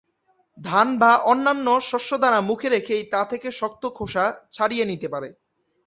ধান বা অন্যান্য শস্যদানা মুখে রেখেই তা থেকে শক্ত খোসা ছাড়িয়ে নিতে পারে।